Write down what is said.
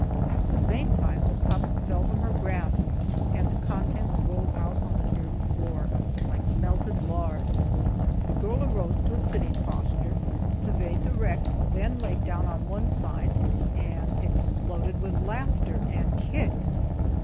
At the same time the cup fell from her grasp, and the contents rolled out on the dirty floor, like melted lard. The girl arose to a sitting posture, surveyed the wreck, then laid down on one side, and exploded with laughter and kicked.